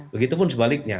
begitu pun sebaliknya